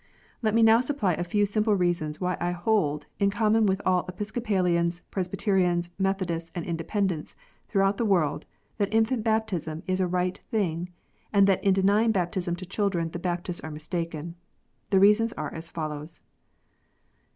Let me now supply a few simple reasons why I hold, in common with all Episcopalians, Presbyterians, Methodists, and Independents throughout the world, that infant baptism is a right thing, and that in denying baptism to children the Baptists are mistaken. The reasons are as follows.